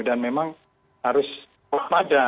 dan memang harus berpada